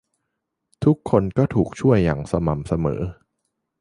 ทุกคนก็ถูกช่วยอย่างสม่ำเสมอ